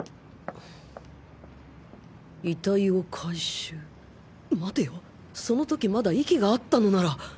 遺体を回収待てよその時まだ息があったのなら